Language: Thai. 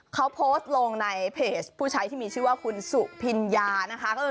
เขาโพสต์ลงในเพจผู้ใช้ที่มีชื่อว่าคุณสุพิญญานะคะ